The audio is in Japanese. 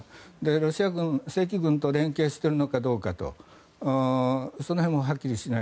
ロシアの正規軍と連携しているのかどうかその辺もはっきりしない。